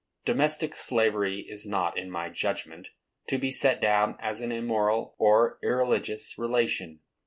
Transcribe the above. Domestic slavery is not, in my judgment, to be set down as an immoral or irreligious relation.